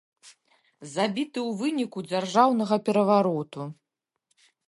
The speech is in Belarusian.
Забіты ў выніку дзяржаўнага перавароту.